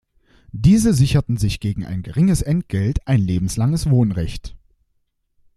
Diese sicherten sich gegen ein geringes Entgelt ein lebenslanges Wohnrecht.